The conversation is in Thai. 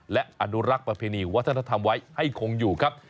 และอนุรักษ์ประเพณีวัฒนธรรมไว้ให้คงอยู่ครับ